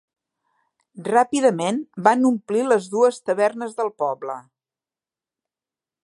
Ràpidament van omplir les dues tavernes del poble.